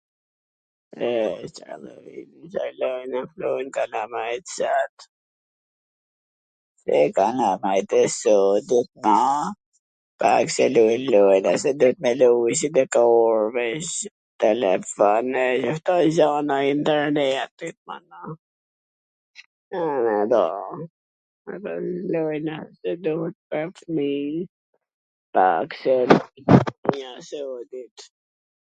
Lojna q lujn kalamajt sot, e kalamajt e sotwm, asnji lloj lojnash, dun me lujt si dikur .... telefon, e , kto gjona, internet, lojna pwr fmij... fmija i sodit